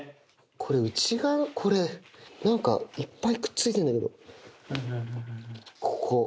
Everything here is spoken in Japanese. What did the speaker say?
これ内側のこれ何かいっぱいくっついてんだけどここ。